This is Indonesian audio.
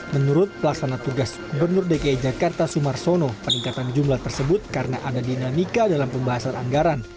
menurut pelaksana tugas gubernur dki jakarta sumarsono peningkatan jumlah tersebut karena ada dinamika dalam pembahasan anggaran